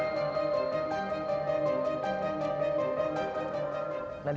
fungsi perlindungan perjalanan atau pindahkan ke halaman ini diperlukan tim